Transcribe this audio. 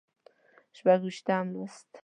شپږ ویشتم لوست